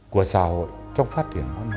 của xã hội trong phát triển văn hóa